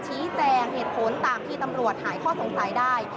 ชี้แจงเหตุผลตามที่ตำรวจหายข้อสงสัยได้